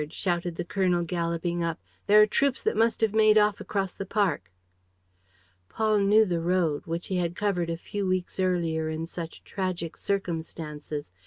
shouted the colonel, galloping up. "There are troops that must have made off across the park." Paul knew the road, which he had covered a few weeks earlier in such tragic circumstances.